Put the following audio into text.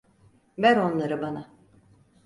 Ver onları bana.